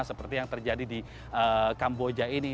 seperti yang terjadi di kamboja ini